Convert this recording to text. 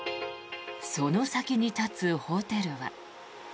その先に立つホテルは。